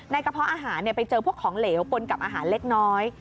กระเพาะอาหารไปเจอพวกของเหลวปนกับอาหารเล็กน้อย